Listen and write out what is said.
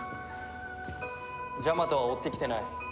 ジャマトは追ってきてない。